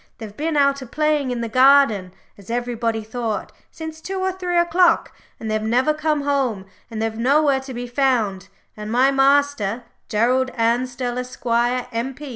They've been out a playing in the garden, as everybody thought, since two or three o'clock, and they've never come home, and they're nowhere to be found; and my master Gerald Ansdell, Esq., M.P.